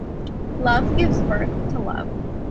Love gives birth to love.